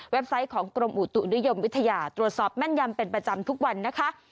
ไซต์ของกรมอุตุนิยมวิทยาตรวจสอบแม่นยำเป็นประจำทุกวันนะคะ